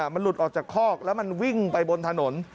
มันหลุดออกจากคอกแล้วมันวิ่งไปบนถนน